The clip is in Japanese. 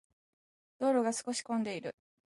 道路が少し混んでいる。